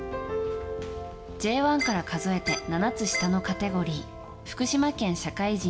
Ｊ１から数えて７つ下のカテゴリー福島県社会人